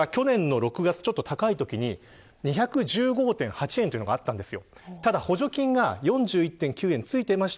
このときは去年の６月ちょっと高いときに２１５．８円というのがあったんです。